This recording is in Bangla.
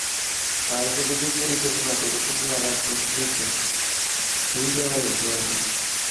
ছায়াছবিটি পরিচালনা করেছেন নারায়ণ ঘোষ মিতা।